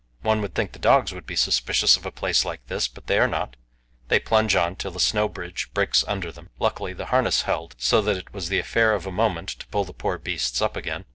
One would think the dogs would be suspicious of a place like this; but they are not they plunge on till the snow bridge breaks under them. Luckily the harness held, so that it was the affair of a moment to pull the poor beasts up again.